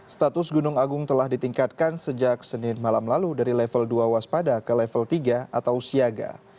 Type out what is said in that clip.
status gunung agung telah ditingkatkan sejak senin malam lalu dari level dua waspada ke level tiga atau siaga